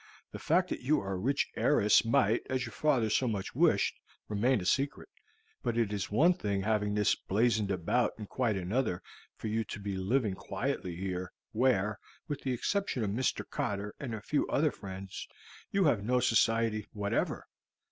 The fact that you are a rich heiress might, as your father so much wished, remain a secret. But it is one thing having this blazoned about and quite another for you to be living quietly here, where, with the exception of Mr. Cotter and a few other friends, you have no society whatever.